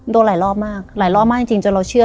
โดนหลายรอบมากหลายรอบมากจริงจนเราเชื่อ